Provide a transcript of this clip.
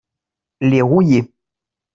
les rouillés.